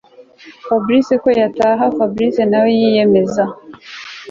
Fabric ko yataha Fabric nawe yiyemeza